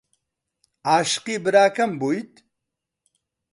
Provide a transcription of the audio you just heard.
عاشقی براکەم بوویت؟